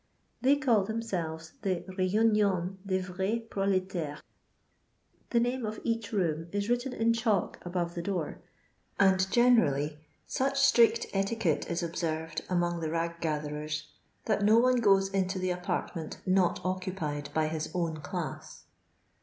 They call themselves the 'Reunion det Vrait ProUiaira* The name of each room is written in chalk above the door ; and generally such strict etiquette is observed among the rag gatherers that no one goes into the apartment not occupied by his own class!